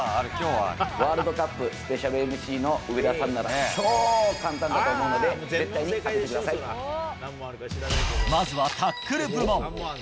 ワールドカップスペシャルＭＣの上田さんなら超簡単だと思うので、まずはタックル部門。